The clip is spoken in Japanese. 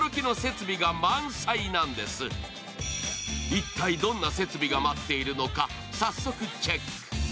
一体、どんな設備が待っているのか、早速チェック。